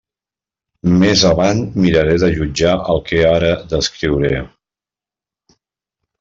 Més avant miraré de jutjar el que ara descriuré.